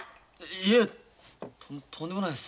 いえとんでもないです。